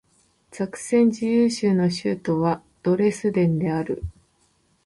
ザクセン自由州の州都はドレスデンである